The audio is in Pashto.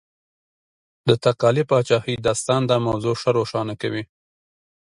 د تقالي پاچاهۍ داستان دا موضوع ښه روښانه کوي.